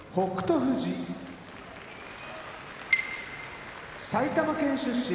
富士埼玉県出身